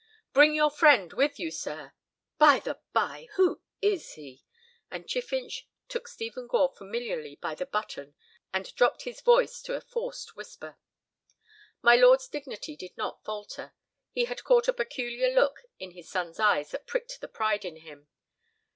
"Bring your friend with you, sir. By the way, who is he?" And Chiffinch took Stephen Gore familiarly by the button and dropped his voice to a forced whisper. My lord's dignity did not falter. He had caught a peculiar look in his son's eyes that pricked the pride in him.